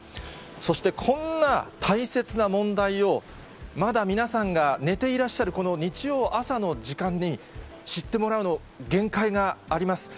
そしてこんな大切な問題を、まだ皆さんが寝ていらっしゃるこの日曜朝の時間に知ってもらうの、限界があります。